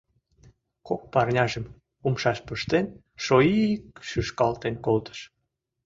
Кок парняжым умшаш пыштен, шойи-ик шӱшкалтен колтыш.